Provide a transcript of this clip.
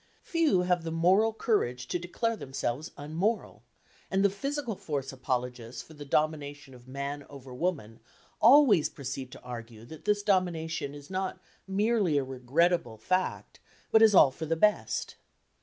Few have the moral courage to declare themselves unmoral, and the physical force apologists for the domination of man over woman always proceed to argue that this domination is not merely a "regrettable fact," but is all for the best.